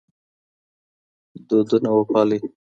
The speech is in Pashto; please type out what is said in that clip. دودونه وپالئ.